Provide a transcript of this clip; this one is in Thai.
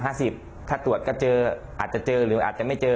มันห้าสิบห้าสิบถ้าตรวจก็เจออาจจะเจอหรืออาจจะไม่เจอ